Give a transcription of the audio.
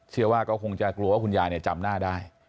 เชื่อว่าก็คงจะกลัวว่าคุณยายจำหน้าได้